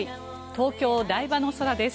東京・台場の空です。